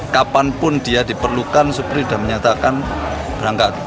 kapanpun dia diperlukan supir sudah menyatakan berangkat